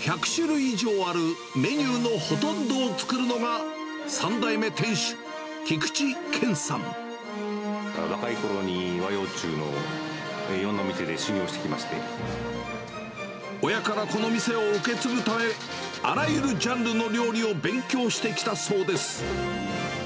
１００種類以上あるメニューのほとんどを作るのが、３代目店主、若いころに、和洋中のいろん親からこの店を受け継ぐため、あらゆるジャンルの料理を勉強してきたそうです。